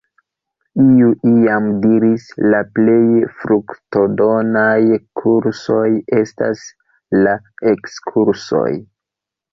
Iu iam diris: ”La plej fruktodonaj kursoj estas la ekskursoj”.